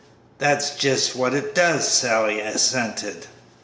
"That's jest what it does!" Sally assented.